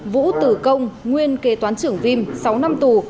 vũ tử công nguyên kế toán trưởng vim sáu năm tù